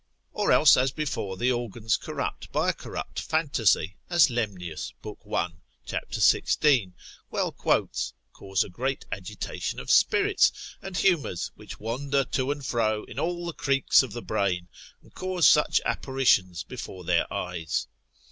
Or else as before the organs corrupt by a corrupt phantasy, as Lemnius, lib. 1. cap. 16. well quotes, cause a great agitation of spirits, and humours, which wander to and fro in all the creeks of the brain, and cause such apparitions before their eyes.